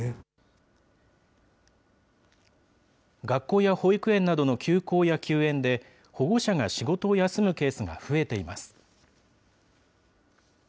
学校や保育園などの休校や休園で、保護者が仕事を休むケースが増えています。